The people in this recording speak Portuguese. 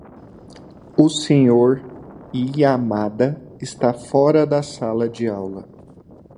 O Sr. Yamada está fora da sala de aula.